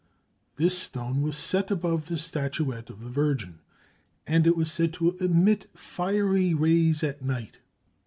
This stone was set above the statuette of the Virgin, and it was said to emit fiery rays at night.